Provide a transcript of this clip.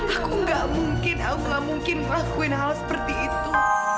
aku nggak mungkin aku gak mungkin ngelakuin hal seperti itu